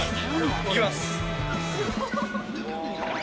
いきます。